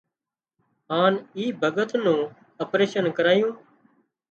هانَ اِي ڀڳت نُون اپريشين ڪرايون